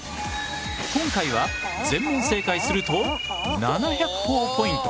今回は全問正解すると７００ほぉポイント。